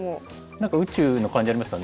何か宇宙の感じありますよね。